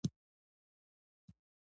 عشر ورکول حاصلات پاکوي.